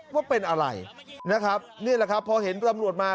ว่าเป็นอะไรนะครับนี่แหละครับพอเห็นตำรวจมา